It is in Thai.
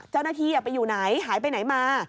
เจ้าหน้าที่ไปอยู่ไหนหายไปไหนมา